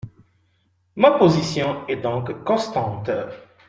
Ma position est donc constante.